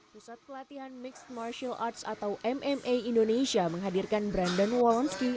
pusat pelatihan mixed martial arts atau mma indonesia menghadirkan brandon walensky